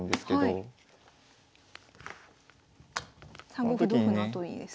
３五歩同歩のあとにですね？